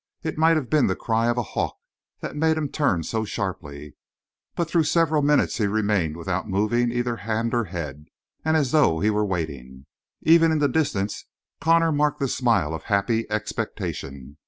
It might have been the cry of a hawk that made him turn so sharply; but through several minutes he remained without moving either hand or head, and as though he were waiting. Even in the distance Connor marked the smile of happy expectation.